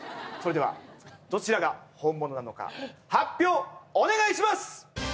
それではどちらが本物なのか発表お願いします！